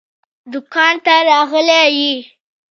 دوکان ته راغلی يې؟